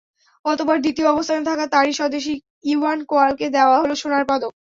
অতঃপর দ্বিতীয় অবস্থানে থাকা তারই স্বদেশি ইওয়ান কোয়ালকে দেওয়া হলো সোনার পদক।